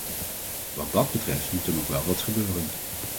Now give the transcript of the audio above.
Wat dat betreft moet er nog wel wat gebeuren.